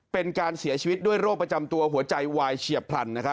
เป็นการเสียชีวิตด้วยโรคประจำตัวหัวใจวายเฉียบพลัน